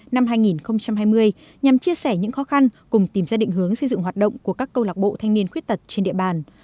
năm hai nghìn hai mươi nhằm chia sẻ những khó khăn cùng tìm ra định hướng xây dựng hoạt động của các câu lạc bộ thanh niên khuyết tật trên địa bàn